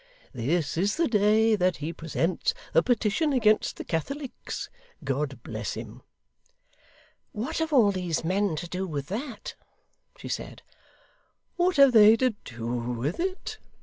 This is the day that he presents the petition against the Catholics, God bless him!' 'What have all these men to do with that?' she said. 'What have they to do with it!